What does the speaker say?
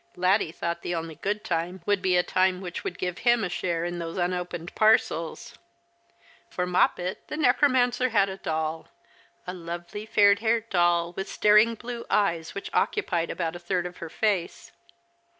Laddie thought the only good time would be a time which would give him a share in those unopened parcels. For Moppet the necromancer had a doll — a lovely fair haired doll, with staring blue eyes which occupied about a third of her face.